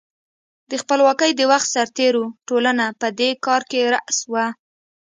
د خپلواکۍ د وخت سرتېرو ټولنه په دې کار کې راس وه.